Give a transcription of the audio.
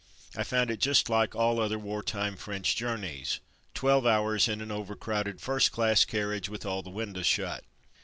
I found it just like all other war time French journeys. Twelve hours in an overcrowded first class carriage with all the windows shut.